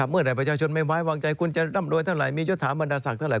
เมื่อได้ประชาชนไม่ไว้วางใจคุณจะร่ำรวยเท่าไหร่มียศาบรรดาศักดิเท่าไ